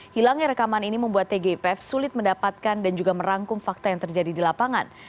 hilangnya rekaman ini membuat tgpf sulit mendapatkan dan juga merangkum fakta yang terjadi di lapangan